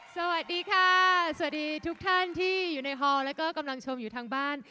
สวัสดีค่ะสวัสดีทุกท่านที่อยู่ในฮอแล้วก็กำลังชมอยู่ทางบ้าน